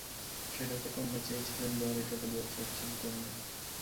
সেটাতে কন্যা চেয়েছিলেন বর, এটাতে বর চাচ্ছেন কন্যা।